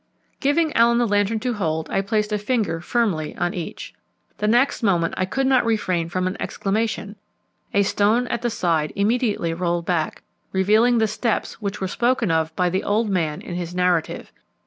Giving Allen the lantern to hold, I placed a finger firmly on each. The next moment I could not refrain from an exclamation; a stone at the side immediately rolled back, revealing the steps which were spoken of by the old man in his narrative.